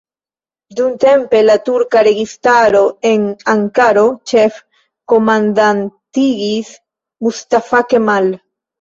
Dumtempe la turka registaro en Ankaro ĉef-komandantigis Mustafa Kemal.